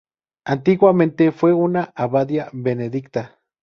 Antiguamente fue una abadía benedictina.